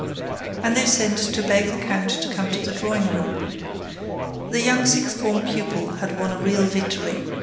And they sent to beg the count to come to the drawing room. The young sixth form pupil had won a real victory.